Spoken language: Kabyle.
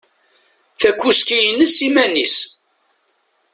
Takuski-ines iman-is.